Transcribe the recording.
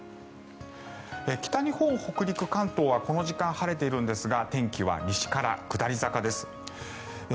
北日本、北陸、関東はこの時間、晴れているんですが天気は西から下り坂です。